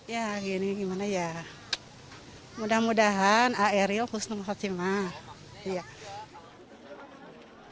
ya gini gimana ya mudah mudahan eril khusnul khatimah